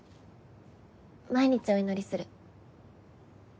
毎日お祈りする。